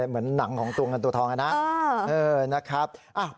เหมือนหนังของตัวเงินตัวทองนะครับ